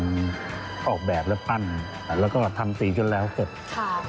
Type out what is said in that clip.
การออกแบบและปั้นแล้วก็ทำสีก็แล้วเสร็จ